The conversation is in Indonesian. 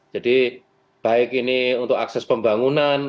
jadi baik ini untuk akses pembangunan